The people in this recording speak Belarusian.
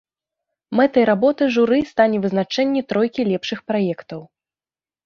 Мэтай работы журы стане вызначэнне тройкі лепшых праектаў.